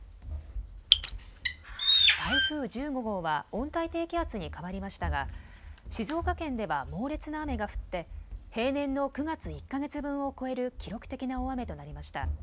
台風１５号は温帯低気圧に変わりましたが静岡県では猛烈な雨が降って平年の９月１か月分を超える記録的な大雨となりました。